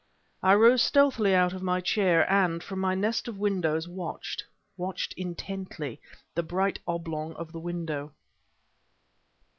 I rose stealthily out of my chair, and from my nest of shadows watched watched intently, the bright oblong of the window...